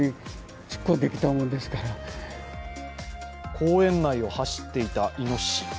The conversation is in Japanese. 公園内を走っていたいのしし。